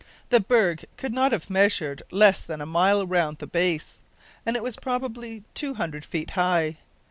The berg could not have measured less than a mile round the base, and it was probably two hundred feet high.